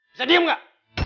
bisa diem gak